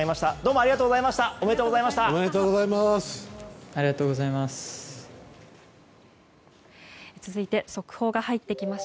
ありがとうございます。